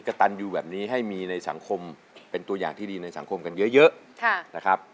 กระตันอยู่แบบนี้ให้มีในสังคมเป็นตัวอย่างที่ดีในสังคมกันเยอะนะครับ